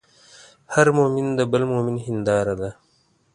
هر مؤمن د بل مؤمن هنداره ده.